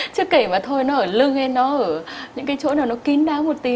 chứ kể mà thôi nó ở lưng hay nó ở những cái chỗ nào nó kín đáng một tí